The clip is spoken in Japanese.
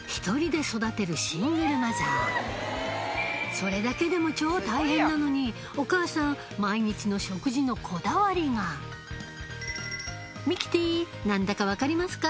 それだけでも超大変なのにお母さん毎日の食事のこだわりがミキティ何だか分かりますか？